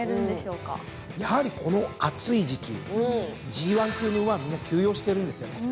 やはりこの暑い時季ＧⅠ級の馬はみんな休養しているんですよね。